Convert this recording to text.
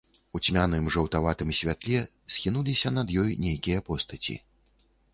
У цьмяным жаўтаватым святле схінуліся над ёй нейкія постаці.